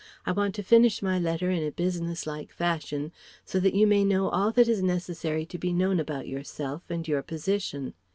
I want to finish my letter in a business like fashion so that you may know all that is necessary to be known about yourself and your position.